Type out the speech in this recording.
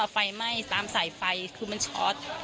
ไฟไหม้ตามสายไฟคือมันช็อต